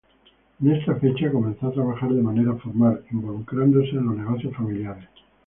En esta fecha comenzó a trabajar de manera formal, involucrándose en los negocios familiares.